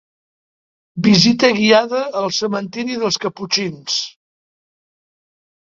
Visita guiada al cementiri dels Caputxins.